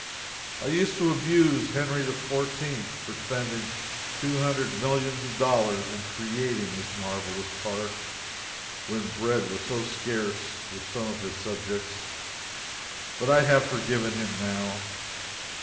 I used to abuse Louis XIV for spending two hundred millions of dollars in creating this marvelous park, when bread was so scarce with some of his subjects; but I have forgiven him now.